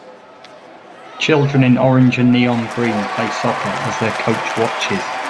children in orange and neon green play soccer as their coach watches.